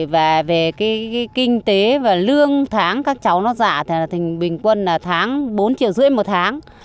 và về cái kinh tế và lương tháng các cháu nó giả thì bình quân là tháng bốn triệu rưỡi một tháng